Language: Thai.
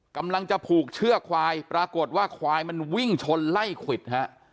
กำลังจะผูกเชือกควายปรากฏว่าควายมันวิ่งชนไล่ควิดฮะ